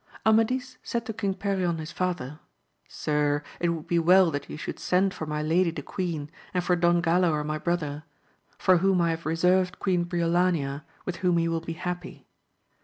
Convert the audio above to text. MADIS said to King Perion his father, Sir, it would be well that you should send for my lady the Queen, and for Don Galaor my brother, for whom I have reserv^ed Queen Briolanea, with whom he will be happy.